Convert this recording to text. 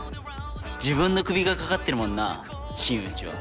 自分のクビがかかってるもんな新内は。